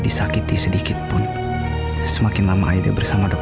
emangnya aku punya urusan apa sama kamu